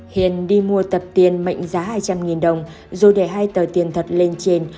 hiền đi mua tập tiền mệnh giá hai trăm linh đồng rồi để hai tờ tiền thật lên trên